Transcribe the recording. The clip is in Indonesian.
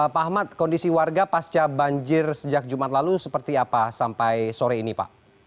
pak ahmad kondisi warga pasca banjir sejak jumat lalu seperti apa sampai sore ini pak